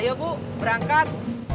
ayo bu berangkat